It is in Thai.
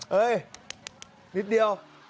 เฮ้ยนิดเดียว